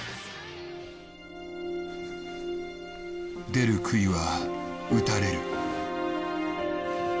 出るくいは打たれる。